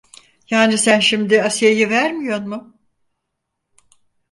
Yani sen şimdi Asiye'yi vermiyon mu?